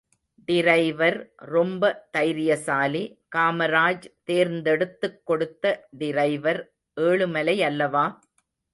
Driver ரொம்ப தைரியசாலி, காமராஜ் தேர்ந்தெடுத்துக் கொடுத்த டிரைவர் ஏழுமலையல்லவா?